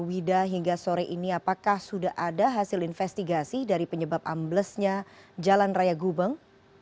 wida hingga sore ini apakah sudah ada hasil investigasi dari penyebab amblesnya jalan raya gubeng